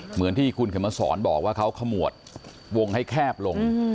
เหมือนที่คุณเข็มมาสอนบอกว่าเขาขมวดวงให้แคบลง